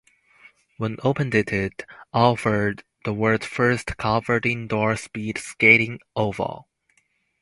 When opened it offered the world's first covered indoor speed skating oval.